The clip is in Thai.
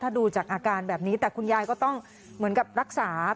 ถ้าดูจากอาการแบบนี้แต่คุณยายก็ต้องเหมือนกับรักษา